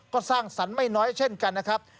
ก็สร้างสรรค์ไม่น้อยเช่นกันนะครับ